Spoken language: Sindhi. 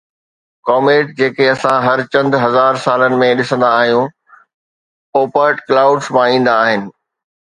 ڪاميٽ جيڪي اسان هر چند هزار سالن ۾ ڏسندا آهيون، اهي ”اوپرٽ ڪلائوڊس“ مان ايندا آهن.